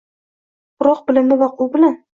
Biroq bilimi va uquvi bilan